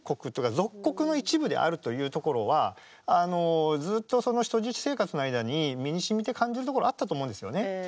属国の一部であるというところはずっとその人質生活の間に身にしみて感じるところがあったと思うんですよね。